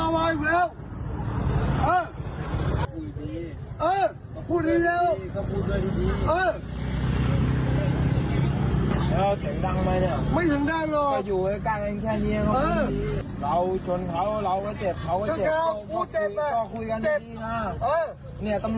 ว่าถึงนี่แหละก็เห็นแล้วว่าเขามาอีกแล้วแต่อาจจะไม่คุยกับใครที่รู้แล้ว